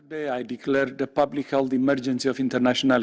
hari ini saya mengatakan kebenaran internasional